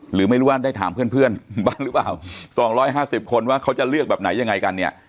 หรือไม่รู้ว่าได้ถามเพื่อนบ้างหรือเปล่า๒๕๐คนว่าเขาจะเลือกแบบไหนยังไงกันเนี่ย